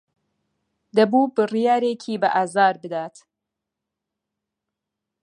دەبوو بڕیارێکی بەئازار بدات.